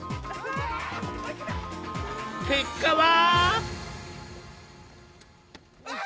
結果は！